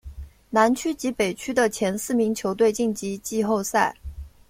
南区及北区的前四名球队晋级季后赛。